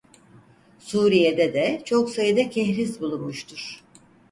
Suriye'de de çok sayıda kehriz bulunmuştur.